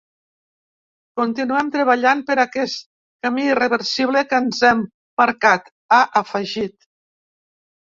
Continuem treballant per aquest camí irreversible que ens hem marcat, ha afegit.